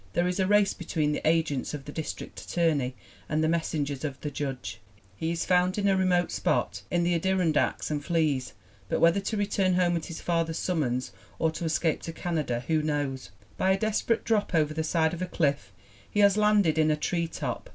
There is a race between the agents of the district at torney and the messengers of the Judge. He is found in a remote spot in the Adirondacks and flees, but whether to return home at his father's summons or to escape to Canada, who knows ? By a desperate drop over the side of a cliff he has landed in a tree top.